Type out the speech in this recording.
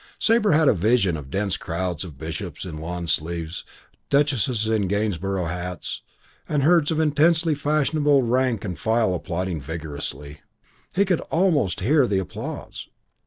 Sabre had a vision of dense crowds of bishops in lawn sleeves, duchesses in Gainsborough hats, and herds of intensely fashionable rank and file applauding vigorously. He could almost hear the applause.